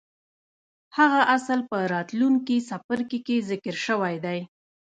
هغه اصل په راتلونکي څپرکي کې ذکر شوی دی.